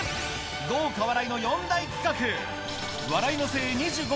豪華笑いの４大企画